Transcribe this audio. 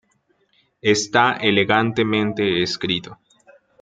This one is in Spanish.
Está elegantemente escrito.